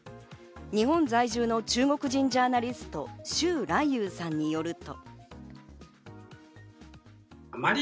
日本在住の中国人ジャーナリスト、シュウ・ライユウさんによると。